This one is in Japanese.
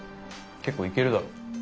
結構いけるだろ。